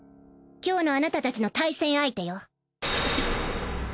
今日のあなたたちの対戦相手よ。